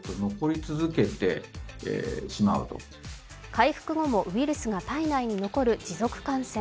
回復後もウイルスが体内に残る持続感染。